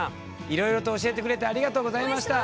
いろいろと教えてくれてありがとうございました。